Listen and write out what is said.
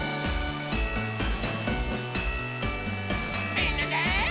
みんなで。